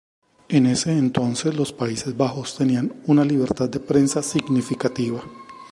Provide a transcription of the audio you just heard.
En ese entonces, los Países Bajos tenían una libertad de prensa significativa.